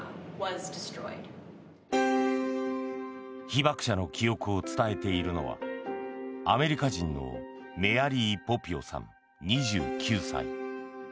被爆者の記憶を伝えているのはアメリカ人のメアリー・ポピオさん、２９歳。